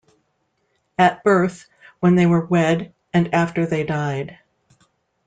At birth, when they were wed and after they died.